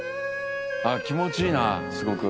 あっ気持ちいいなすごく。